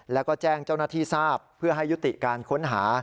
แล้วก็แจ้งเจ้าหน้าที่ทราบเพื่อให้ยุติการค้นหา